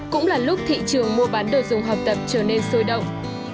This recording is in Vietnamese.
cũng là lúc thị trường mua bán đồ dùng học tập trở nên sôi động